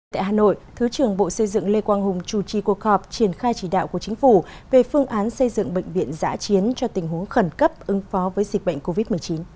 tại hà nội thứ trưởng bộ xây dựng lê quang hùng chủ trì cuộc họp triển khai chỉ đạo của chính phủ về phương án xây dựng bệnh viện giã chiến cho tình huống khẩn cấp ứng phó với dịch bệnh covid một mươi chín